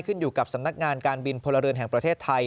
ขึ้นอยู่กับสำนักงานการบินพลเรือนแห่งประเทศไทย